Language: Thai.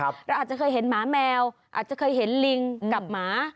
เราอาจจะเคยเห็นหมาแมวอาจจะเคยเห็นลิงกับหมา